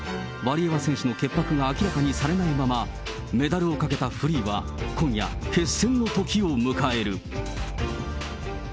ワリエワ選手の潔白が明らかにされないまま、メダルをかけたフリーは今夜、決戦の時を迎える。